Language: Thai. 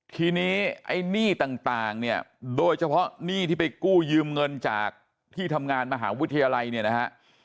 ทีนี้ไอ้หนี้ต่างเนี่ยโดยเฉพาะหนี้ที่ไปกู้ยืมเงินจากที่ทำงานมหาวิทยาลัยเนี่ยนะฮะ